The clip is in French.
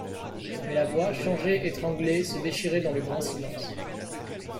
Mais la voix, changée, étranglée, se déchirait dans le grand silence.